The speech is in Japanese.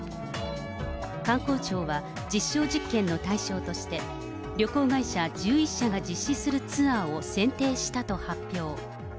観光庁は、実証実験の対象として、旅行会社１１社が実施するツアーを選定したと発表。